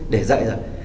để dậy rồi